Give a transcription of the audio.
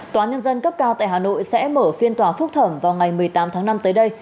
tòa nhân dân cấp cao tại hà nội sẽ mở phiên tòa phúc thẩm vào ngày một mươi tám tháng năm tới đây